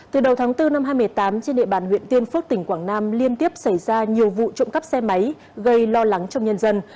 từ đầu tháng bốn năm hai nghìn một mươi tám trên địa bàn huyện tiên phước tỉnh quảng nam liên tiếp xảy ra nhiều vụ trộm cắp xe máy gây lo lắng trong nhân dân